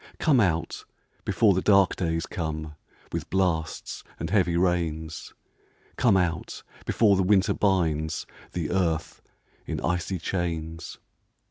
Come out, before the dark days come, With blasts and heavy rains : Come out, before the winter binds The earth in icy chains.